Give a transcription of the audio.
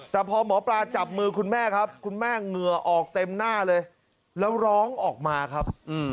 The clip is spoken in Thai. แต่พอหมอปลาจับมือคุณแม่ครับคุณแม่เหงื่อออกเต็มหน้าเลยแล้วร้องออกมาครับ